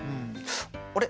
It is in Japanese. あれ？